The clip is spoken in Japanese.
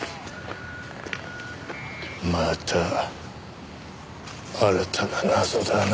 また新たな謎だな。